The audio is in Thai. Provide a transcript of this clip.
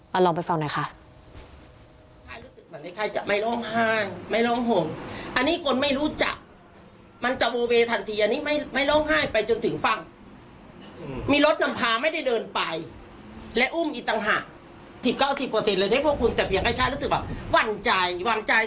เอาลองไปฟังหน่อยค่ะ